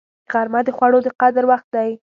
غرمه د خوړو د قدر وخت دی